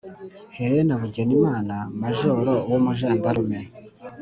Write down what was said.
helena bugenimana, majoro w'umujandarume,